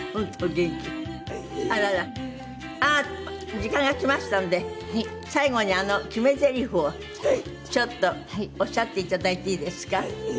時間がきましたんで最後にあの決めゼリフをちょっとおっしゃって頂いていいですか？